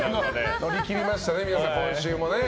乗り切りましたね、今週もね。